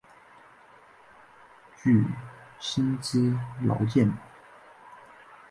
具薪资劳健保